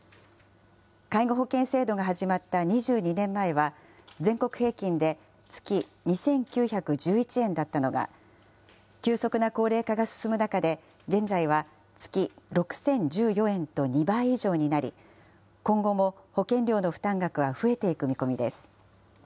介護保険制度が始まった２２年前は、全国平均で月２９１１円だったのが、急速な高齢化が進む中で、現在は月６０１４円と２倍以上になり、今後も保険料の負担額は増えていく見込みです。